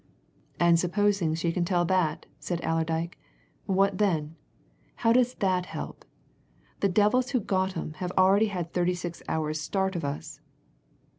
"And supposing she can tell that?" said Allerdyke. "What then? How does that help? The devils who got 'em have already had thirty six hours' start of us!"